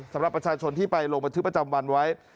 สำหรับประชาชนที่ไปลงบันทึกประจำวันไว้